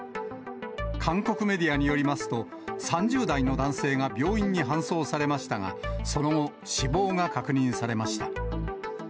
韓国メディアによりますと、３０代の男性が病院に搬送されましたが、その後、死亡が確認されました。